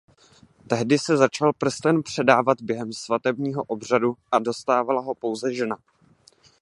Tehdy se začal prsten předávat během svatebního obřadu a dostávala ho pouze žena.